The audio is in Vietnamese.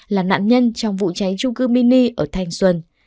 là nạn nhân trong vụ cháy trung cư mini ở thanh xuân